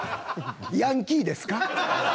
ヤンキーですか？